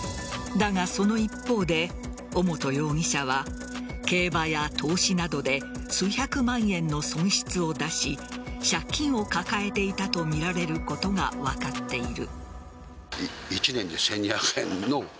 だが、その一方で尾本容疑者は競馬や投資などで数百万円の損失を出し借金を抱えていたとみられることが分かっている。